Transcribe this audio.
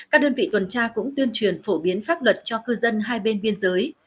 các đơn vị tuần tra cũng tuyên truyền phổ biến pháp luật cho cư dân hai bên biên giới